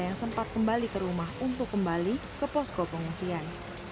yang sempat kembali ke rumah untuk kembali ke posko pengungsian